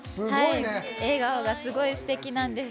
笑顔がすごい、すてきなんです。